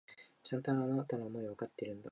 ちゃんと、あなたの思いはわかっているんだ。